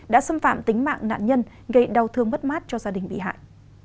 đã xâm phạm tính mạng nạn nhân gây đau thương mất mát cho gia đình bị hại